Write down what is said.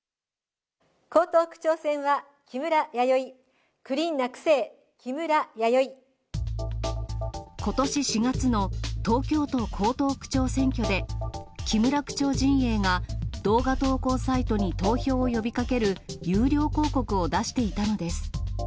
江東区長選は、木村やよい、クリーンな区政、木村やよい。ことし４月の東京都江東区長選挙で、木村区長陣営が動画投稿サイトに投票を呼びかける有料広告を出していたのです。